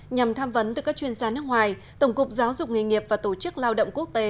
nhằm tham vấn từ các chuyên gia nước ngoài tổng cục giáo dục nghề nghiệp và tổ chức lao động quốc tế